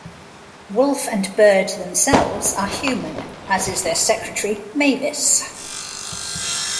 Wolff and Byrd themselves are human, as is their secretary Mavis.